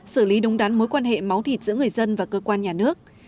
xử lý đúng đắn mối quan hệ máu thịt giữa người dân và cơ quan nhà nước